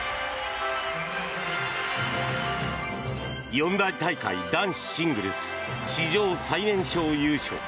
四大大会男子シングルス史上最年少優勝。